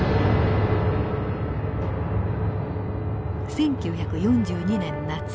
１９４２年夏。